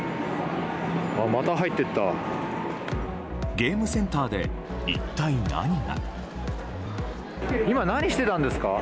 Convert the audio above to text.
ゲームセンターで、一体何が？